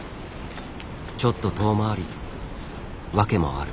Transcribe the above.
ちょっと遠回りワケもある。